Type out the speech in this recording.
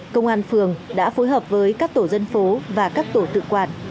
công an phường đã phối hợp với các tổ dân phố và các tổ tự quản